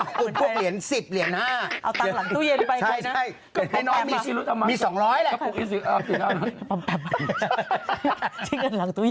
พวกเหรียญ๑๐เหรียญ๕